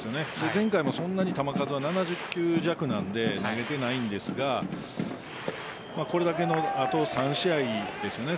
前回もそんなに球数は７０球弱なので投げていないんですがこれだけのあと３試合ですよね。